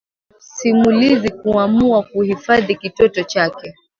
Msimulizi kuamua kuhifadhi kitoto chake